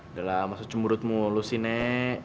udah lah masuk cemurutmu lu sih nek